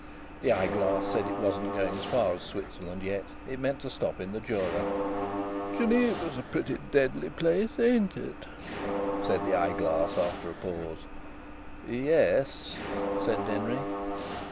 The eyeglass said it wasn't going so far as Switzerland yet; it meant to stop in the Jura. "Geneva's a pretty deadly place, ain't it?" said the eyeglass after a pause. "Ye es," said Denry.